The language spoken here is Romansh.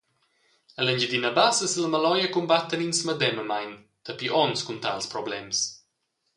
Ella Engiadina Bassa e sil Maloja cumbattan ins medemamein dapi onns cun tals problems.